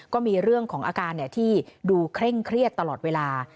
ก็มีเรื่องของอาการที่ดูเคร่งเครียดตลอดเวลา